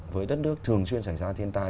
với đất nước thường xuyên xảy ra thiên tai